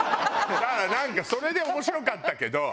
だからそれで面白かったけど。